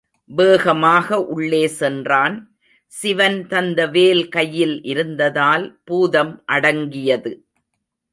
வேகமாக உள்ளே சென்றான், சிவன் தந்த வேல் கையில் இருந்ததால் பூதம் அடங்கியது.